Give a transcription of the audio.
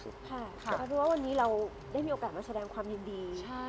เพราะว่าวันนี้เราได้มีโอกาสมาแสดงความยินดี